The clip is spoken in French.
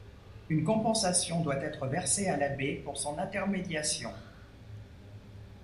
Une compensation doit être versée à l'abbé pour son intermediation.